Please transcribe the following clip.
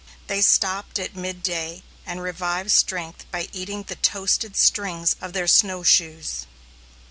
They stopped at midday and revived strength by eating the toasted strings of their snowshoes.